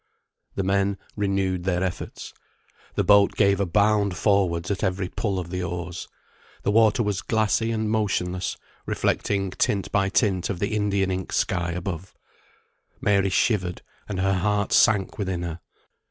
The men renewed their efforts. The boat gave a bound forwards at every pull of the oars. The water was glassy and motionless, reflecting tint by tint of the Indian ink sky above. Mary shivered, and her heart sank within her.